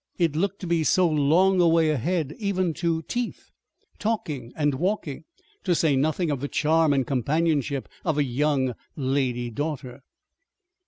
It looked to be so long a way ahead, even to teeth, talking, and walking, to say nothing of the charm and companionship of a young lady daughter!